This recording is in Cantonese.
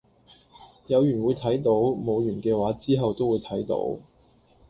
有緣會睇到，冇緣既話之後都會睇到